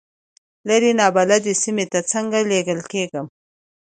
لرې نابلده سیمې ته څنګه لېږل کېږم.